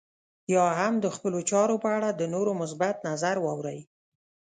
يا هم د خپلو چارو په اړه د نورو مثبت نظر واورئ.